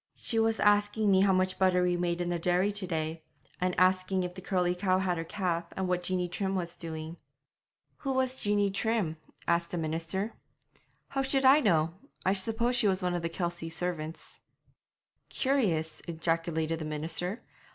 'She was asking me how much butter we made in the dairy to day, and asking if the curly cow had her calf, and what Jeanie Trim was doing.' 'Who was Jeanie Trim?' asked the minister. 'How should I know? I suppose she was one of the Kelsey servants.' 'Curious,' ejaculated the minister.